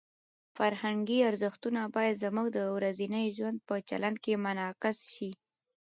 فرهنګي ارزښتونه باید زموږ د ورځني ژوند په چلند کې منعکس شي.